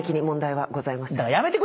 やめてくれよ！